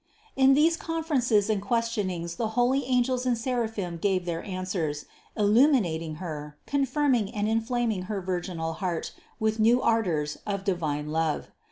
662. In these conferences and questionings the holy angels and seraphim gave their answers, illuminating Her, confirming and inflaming Her virginal heart with new ardors of divine love.